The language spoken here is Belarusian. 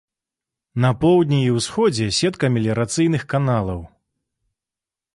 На поўдні і ўсходзе сетка меліярацыйных каналаў.